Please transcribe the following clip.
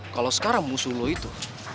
kalo sekarang musuh lu itu